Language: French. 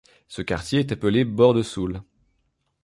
Ce quartier est appelé Bordesoulle.